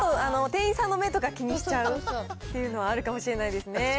店員さんの目とか気にしちゃうっていうのはあるかもしれないですね。